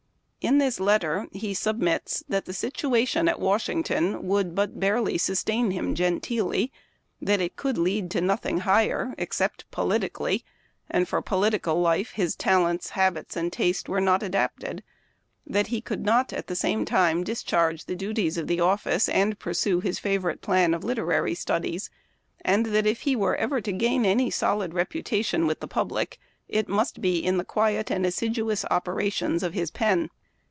In this letter he submits that the situation at Washington would but barely sustain him genteelly ; that it could lead to nothing higher except politically, and for political life his talents, habits, and taste were not adapted ; that he could not, at the same time discharge the duties of the office and pursue his favorite plan of literary studies, and that if he were ever to gain any solid reputation with the public it must be " in the quiet and assiduous operations of his pen."